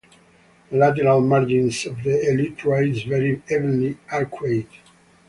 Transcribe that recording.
The lateral margins of the elytra is very evenly arcuate.